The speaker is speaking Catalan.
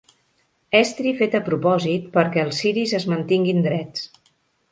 Estri fet a propòsit perquè els ciris es mantinguin drets.